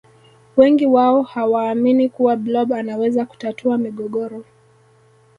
wengi wao hawaamini kuwa blob anaweza kutatua migogoro